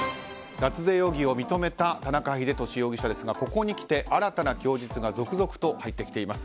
脱税容疑を認めた田中英寿容疑者ですがここにきて、新たな供述が続々と入ってきています。